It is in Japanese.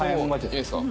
いいんですか？